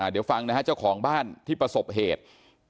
เดี๋ยวฟังนะฮะเจ้าของบ้านที่ประสบเหตุ